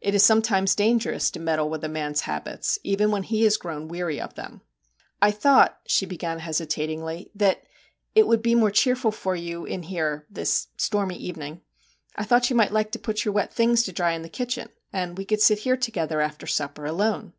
It is sometimes dangerous to meddle with a man's habits, even when he has grown weary of them. 4 1 thought,' she began hesitatingly, 'that it would be more cheerful for you, in here, this stormy evening. I thought you might like to put your wet things to dry in the kitchen, and we could sit here together, after supper, alone.'